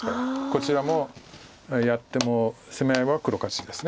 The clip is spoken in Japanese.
こちらもやっても攻め合いは黒勝ちです。